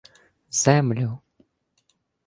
— Землю...